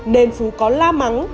nên phú có la mắng